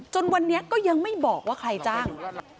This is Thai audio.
จนวันนี้ก็ยังไม่บอกว่าใครจ้าง